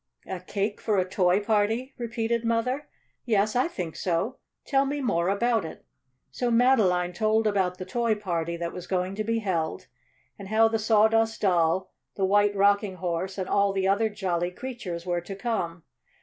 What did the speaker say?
"A cake for a Toy Party?" repeated Mother. "Yes, I think so. Tell me more about it." So Madeline told about the Toy Party that was going to be held, and how the Sawdust Doll, the White Rocking Horse, and all the other jolly creatures were to come.